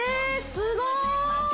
すごい